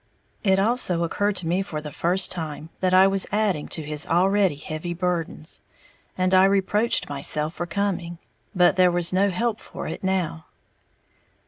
'"] It also occurred to me for the first time that I was adding to his already heavy burdens; and I reproached myself for coming; but there was no help for it now.